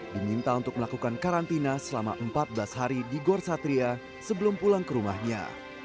diminta untuk melakukan karantina selama empat belas hari di gor satria sebelum pulang ke rumahnya